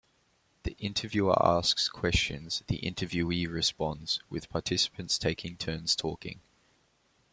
The interviewer asks questions, the interviewee responds, with participants taking turns talking.